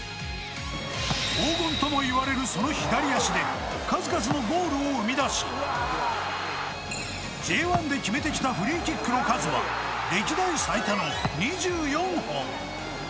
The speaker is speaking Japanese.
黄金とも言われるその左足で数々のゴールを生み出しＪ１で決めてきたフリーキックの数は歴代最多の２４本。